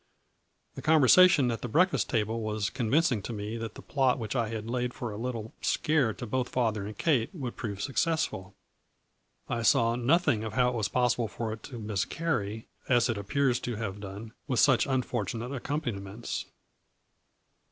The conversation at the breakfast table was convincing to me that the plot which I had laid for a little scare to both father and Kate would prove successful. I saw nothing of how it was possible for it to miscarry, as it appears to have done, with such unfortunate accompaniments.